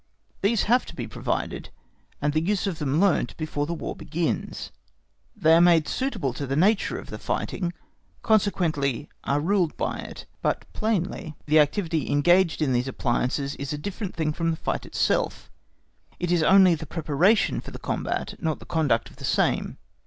These have to be provided and the use of them learnt before the War begins. They are made suitable to the nature of the fighting, consequently are ruled by it; but plainly the activity engaged in these appliances is a different thing from the fight itself; it is only the preparation for the combat, not the conduct of the same.